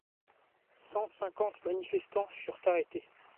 Cent cinquante manifestants furent arrêtés.